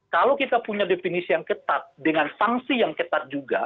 kalau kita punya definisi yang ketat dengan sanksi yang ketat juga